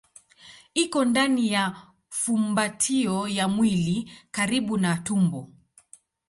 Iko ndani ya fumbatio ya mwili karibu na tumbo.